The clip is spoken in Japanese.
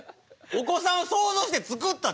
お子さんを想像して作った？